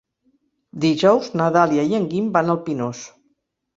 Dijous na Dàlia i en Guim van al Pinós.